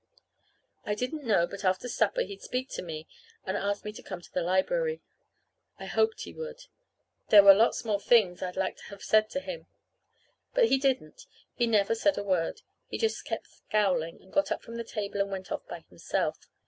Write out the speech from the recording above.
I didn't know but after supper he'd speak to me and ask me to come to the library. I hoped he would. There were lots more things I'd like to have said to him. But he didn't. He never said a word. He just kept scowling, and got up from the table and went off by himself.